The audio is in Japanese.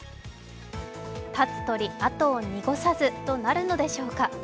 立つ鳥跡を濁さずとなるのでしょうか。